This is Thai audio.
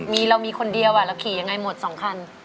มีเรามีคนเดียวเราขี่ยังไงหมด๒คัน